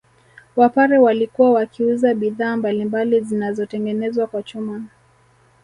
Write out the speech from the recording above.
Wapare walikuwa wakiuza bidhaa mbalimbali zinazotengenezwa kwa chuma